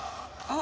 あ！